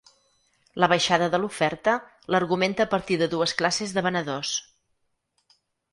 La baixada de l’oferta l’argumenta a partir de dues classes de venedors.